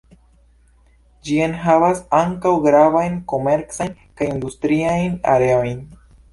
Ĝi enhavas ankaŭ gravajn komercajn kaj industriajn areojn.